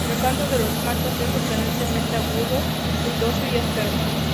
El canto de los machos es sorprendentemente agudo, ruidoso y áspero.